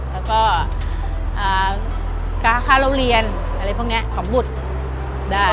แล้วก็ค่าเล่าเรียนอะไรพวกนี้ของบุตรได้